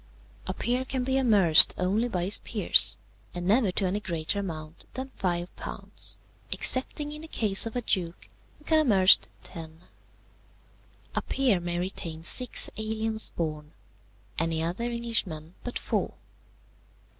"A peer can be amerced only by his peers, and never to any greater amount than five pounds, excepting in the case of a duke, who can be amerced ten. "A peer may retain six aliens born, any other Englishman but four.